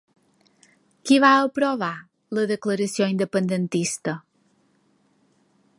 Qui va aprovar la declaració independentista?